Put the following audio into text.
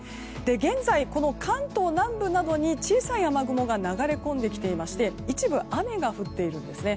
現在、関東南部などに小さい雨雲が流れ込んできていまして一部、雨が降っているんですね。